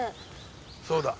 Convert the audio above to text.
そうだ。